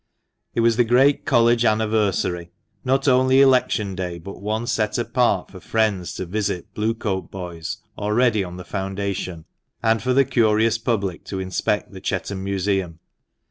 It was the great College anniversary, not only election day, but one set apart for friends to visit Blue coat boys already on the found ation, and for the curious public to inspect the Chetham Museum.